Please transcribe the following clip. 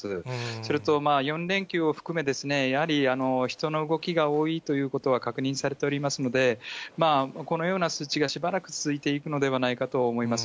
それと４連休を含め、やはり人の動きが多いということは確認されておりますので、このような数値がしばらく続いていくのではないかと思います。